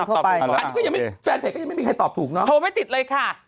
ต่อไปแฟนเพจก็ยังไม่มีใครตอบถูกเนอะโทรไม่ติดเลยค่ะอ่ะ